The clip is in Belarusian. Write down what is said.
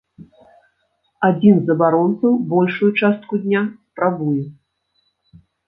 Адзін з абаронцаў большую частку дня спрабуе!